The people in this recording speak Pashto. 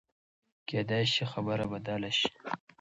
کېدای شي خبره بدله شي.